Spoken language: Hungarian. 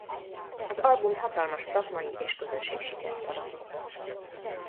Az album hatalmas szakmai és közönségsikert aratott.